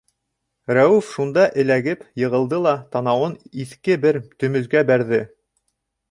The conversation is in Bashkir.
Рәүеф шунда эләгеп йығылды ла танауын иҫке бер төмөзгә бәрҙе.